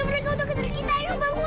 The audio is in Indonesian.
eh jangan dong jadi goyang goyang gini